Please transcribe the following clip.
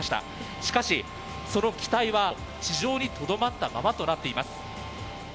しかし、その機体は地上にとどまったままとなっています。